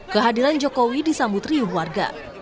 kehadiran jokowi disambut riuh warga